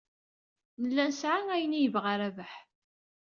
Nella nesɛa ayen ay yebɣa Rabaḥ.